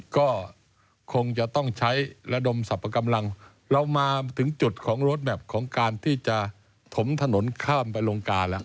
ก็คงจะต้องใช้ระดมสรรพกำลังเรามาถึงจุดของรถแบบของการที่จะถมถนนข้ามไปลงกาแล้ว